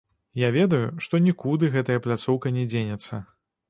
Я ведаю, што нікуды гэтая пляцоўка не дзенецца.